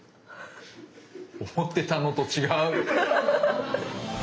思ってたのと違う。